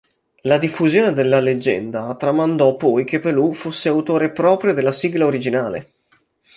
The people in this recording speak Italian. La diffusione della leggenda tramandò poi che Pelù fosse autore proprio della sigla originale.